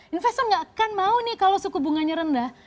investor nggak akan mau nih kalau suku bunganya rendah